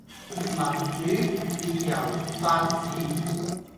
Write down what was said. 民主、自由、法治